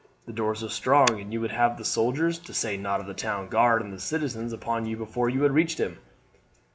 The doors are strong, and you would have the soldiers, to say nought of the town guard and the citizens, upon you before you had reached him."